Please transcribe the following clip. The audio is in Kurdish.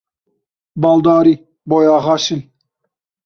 Baldarî! Boyaxa şil.